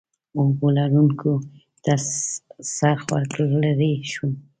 اوبو لرګي ته څرخ ورکړ، لرې شوم.